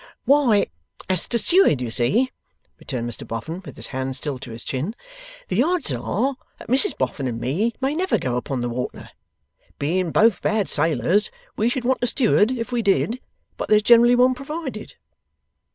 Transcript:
'Why, as to Steward, you see,' returned Mr Boffin, with his hand still to his chin, 'the odds are that Mrs Boffin and me may never go upon the water. Being both bad sailors, we should want a Steward if we did; but there's generally one provided.